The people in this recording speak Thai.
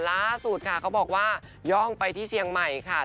ล่าสุดค่ะเขาบอกว่าย่องไปที่เชียงใหม่ค่ะ